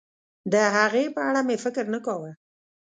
د هغې په اړه مې فکر نه کاوه.